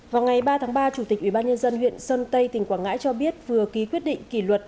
vào ngày ba tháng ba chủ tịch ubnd huyện sơn tây tỉnh quảng ngãi cho biết vừa ký quyết định kỷ luật